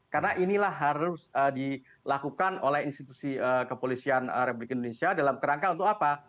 karena inilah harus dilakukan oleh institusi kepolisian republik indonesia dalam kerangka untuk apa